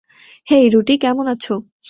হেই, রুটি, কেমন আছো?